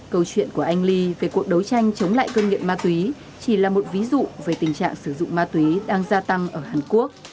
câu chuyện của anh ly về cuộc đấu tranh chống lại cơn nghiện ma túy chỉ là một ví dụ về tình trạng sử dụng ma túy đang gia tăng ở hàn quốc